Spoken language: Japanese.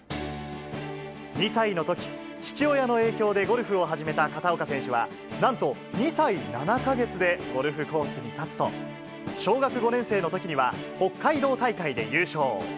２歳のとき、父親の影響でゴルフを始めた片岡選手は、なんと２歳７か月でゴルフコースに立つと、小学５年生のときには、北海道大会で優勝。